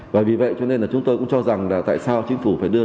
và vì vậy chúng tôi cũng cho rằng là tại sao chính phủ phải đưa ra